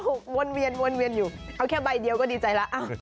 วนเวียนวนเวียนอยู่เอาแค่ใบเดียวก็ดีใจแล้ว